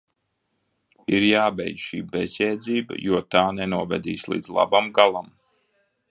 Ir jābeidz šī bezjēdzība, jo tā nenovedīs līdz labam galam!